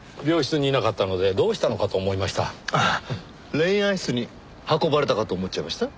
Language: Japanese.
霊安室に運ばれたかと思っちゃいました？